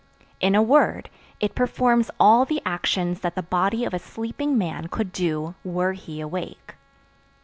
In a word, it performs all the actions that the body of a sleeping man could do were he awake.